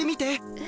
え？